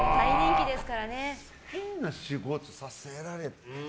変な仕事させられた。